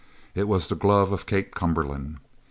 It was the glove of Kate Cumberland.